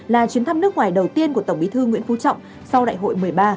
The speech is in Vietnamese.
là chuyến thăm nước ngoài đầu tiên của tổng bí thư nguyễn phú trọng sau đại hội một mươi ba